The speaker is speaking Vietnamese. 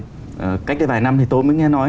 cách đây vài năm thì tôi mới nghe nói